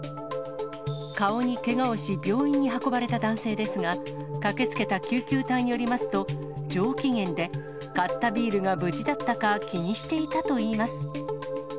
顔にけがをし、病院に運ばれた男性ですが、駆けつけた救急隊によりますと、上機嫌で、買ったビールが無事だったか気にしていたといいます。